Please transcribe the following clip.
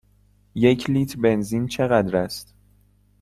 یک لیتر بنزین چقدر است؟